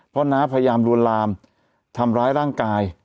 เพราะน้าพยายามลวนลามทำร้ายร่างกาย